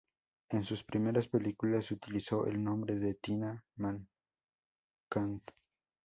En sus primeras películas utilizó el nombre de Tina Marquand.